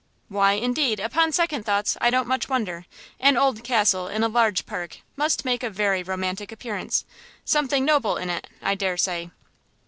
"Why, indeed, upon second thoughts, I don't much wonder; an old castle in a large park must make a very romantic appearance; something noble in it, I dare say."